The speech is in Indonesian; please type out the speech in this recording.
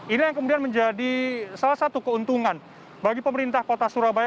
ini yang kemudian menjadi salah satu keuntungan bagi pemerintah kota surabaya